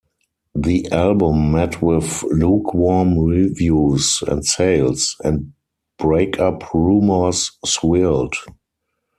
The album met with lukewarm reviews and sales, and breakup rumors swirled.